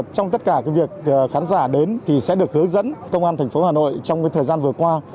trong tất cả việc khán giả đến thì sẽ được hướng dẫn công an thành phố hà nội trong thời gian vừa qua